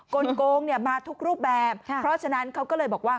ลงเนี่ยมาทุกรูปแบบเพราะฉะนั้นเขาก็เลยบอกว่า